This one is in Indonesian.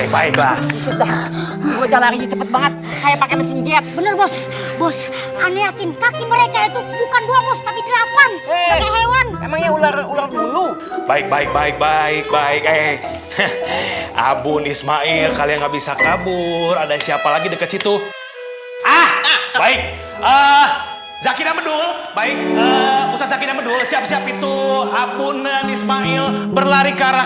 baik ah zaki dan bedul baik usahanya bedul siap siap itu abunen ismail berlari karena